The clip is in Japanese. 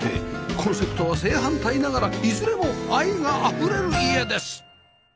コンセプトは正反対ながらいずれも愛があふれる家です